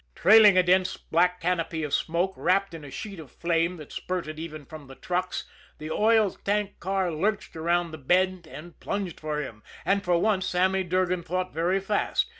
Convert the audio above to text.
Trailing a dense black canopy of smoke, wrapped in a sheet of flame that spurted even from the trucks, the oil tank car lurched around the bend and plunged for him and for once, Sammy Durgan thought very fast.